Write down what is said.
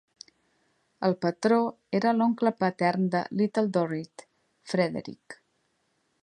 El patró era l'oncle patern de Little Dorrit, Frederick.